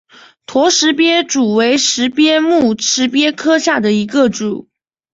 驼石鳖属为石鳖目石鳖科下的一个属。